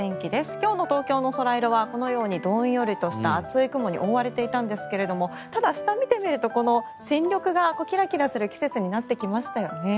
今日の東京のソライロはこのようにどんよりとした厚い雲に覆われていたんですがただ、下を見てみると新緑がキラキラしてくる季節になってきましたよね。